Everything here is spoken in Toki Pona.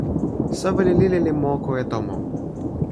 soweli lili li moku e tomo